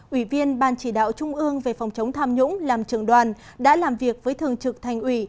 ủy viên ban chỉ đạo trung ương về phòng chống tham nhũng làm trường đoàn đã làm việc với thường trực thành ủy